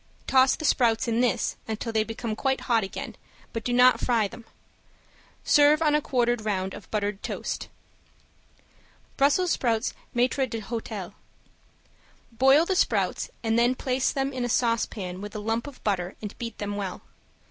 Toss the sprouts in this until they become quite hot again, but do not fry them. Serve on a quartered round of buttered toast. ~BRUSSELS SPROUTS MAITRE D'HOTEL~ Boil the sprouts and then place them in a saucepan with a lump of butter and beat them well.